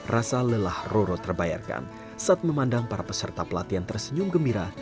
rasa lelah roro terbayarkan saat memandang para peserta pelatihan tersenyum gembira